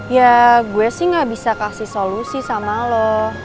ya gue sih gak bisa kasih solusi sama lo